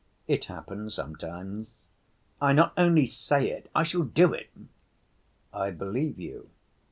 It happens sometimes." "I not only say it, I shall do it." "I believe you."